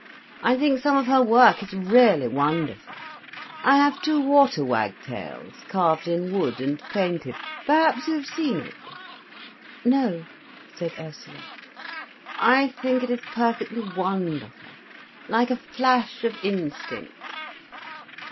I think some of her work is really wonderful. I have two water wagtails, carved in wood, and painted—perhaps you have seen it?" "No," said Ursula. "I think it is perfectly wonderful—like a flash of instinct."